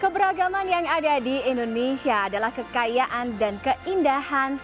keberagaman yang ada di indonesia adalah kekayaan dan keindahan